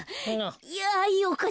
いやよかった。